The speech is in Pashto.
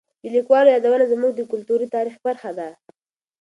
د لیکوالو یادونه زموږ د کلتوري تاریخ برخه ده.